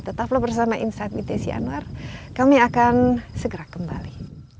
tetaplah bersama insight mitensi anwar kami akan segera kembali